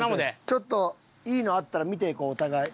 ちょっといいのあったら見ていこうお互い。